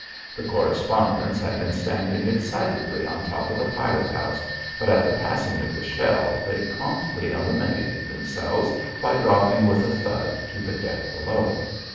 The correspondents had been standing excitedly on top of the pilot house, but at the passing of the shell, they promptly eliminated themselves by dropping with a thud to the deck below.